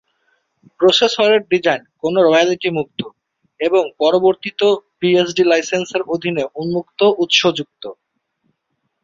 প্রসেসরের ডিজাইন কোনও রয়্যালটি মুক্ত এবং পরিবর্তিত বিএসডি লাইসেন্সের অধীনে উন্মুক্ত উত্সযুক্ত।